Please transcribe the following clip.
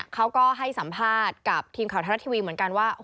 เขาก็ให้สัมภาษณ์กับทีมข่าวไทยรัฐทีวีเหมือนกันว่า